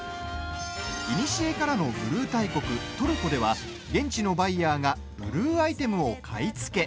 いにしえからのブルー大国トルコでは現地のバイヤーがブルーアイテムを買い付け！